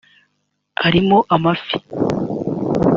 arimo amafi